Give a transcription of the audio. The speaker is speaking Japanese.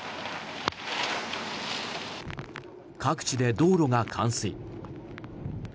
各地で道路が冠水。